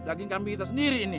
daging kambing kita sendiri ini